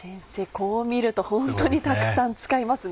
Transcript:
こう見るとホントにたくさん使いますね。